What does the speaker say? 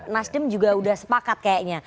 nasdim juga udah sepakat kayaknya